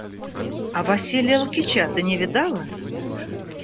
А Василия Лукича ты не видала?